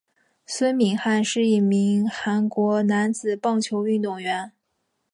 孙敏汉是一名韩国男子棒球运动员。